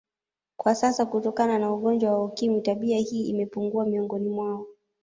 Kwa sasa kutokana na ugonjwa wa ukimwi tabia hii imepungua miongoni mwao